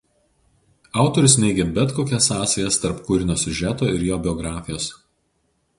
Autorius neigia bet kokias sąsajas tarp kūrinio siužeto ir jo biografijos.